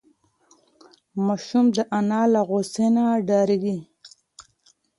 ماشوم د انا له غوسې نه ډارېده.